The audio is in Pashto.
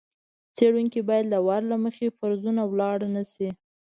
څېړونکی باید له وار له مخکې فرضونو لاړ نه شي.